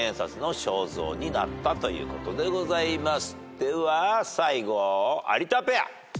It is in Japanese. では最後有田ペア。